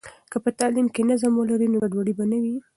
که په تعلیم کې نظم ولري، نو ګډوډي به نه وي.